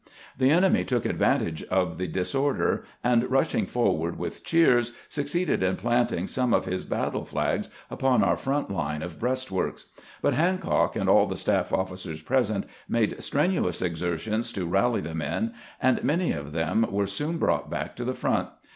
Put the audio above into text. The enemy took advantage of the disorder, and, rushing for ward with cheers, succeeded in planting some of his battle flags upon our front line of breastworks; but Hancock and all the staff officers present made strenu ous exertions to rally the men, and many of them were soon brought back to the front.